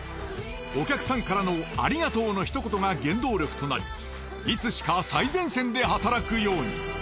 お客さんからのありがとうのひと言が原動力となりいつしか最前線で働くように。